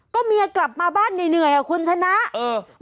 ก็เมียกลับมาบ้านเหนื่อยอ่ะคุณชนะเออ